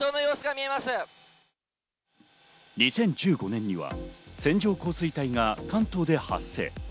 ２０１５年には線状降水帯が関東で発生。